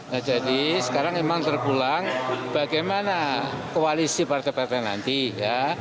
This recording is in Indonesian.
nah jadi sekarang memang terpulang bagaimana koalisi partai partai nanti ya